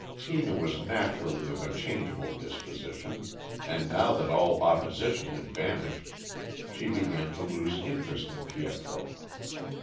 Tina was naturally of a changeable disposition, and now that all opposition had vanished, she began to lose interest in Pietro.